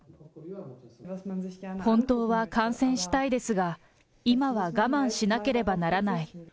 本当は観戦したいですが、今は我慢しなければならない。